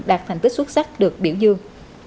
đạt thành tích xuất sắc được biểu dương